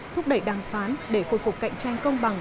thúc đẩy đàm phán để khôi phục cạnh tranh công bằng